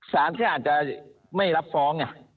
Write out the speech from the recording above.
สารก็ถูกเป็นไม่รับฟ้อง